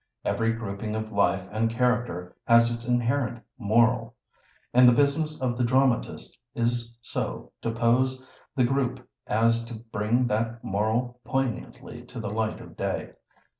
Every grouping of life and character has its inherent moral; and the business of the dramatist is so to pose the group as to bring that moral poignantly to the light of day.